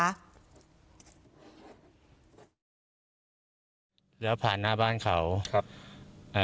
แล้วผ่านหน้าบ้านเขา